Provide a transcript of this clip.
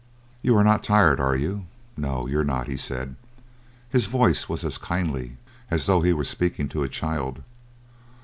"You are not tired, are you? No, you're not," he said. His voice was as kindly as though he were speaking to a child.